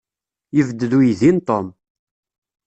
Yebded uydi n Tom.